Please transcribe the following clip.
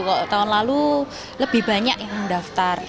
kalau tahun lalu lebih banyak yang mendaftar